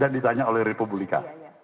dan ditanya oleh republika